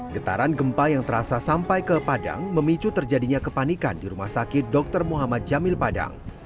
getaran gempa yang terasa sampai ke padang memicu terjadinya kepanikan di rumah sakit dr muhammad jamil padang